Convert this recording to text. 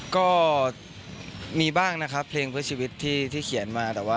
ก็มีบ้างนะครับเพลงเพื่อชีวิตที่เขียนมาแต่ว่า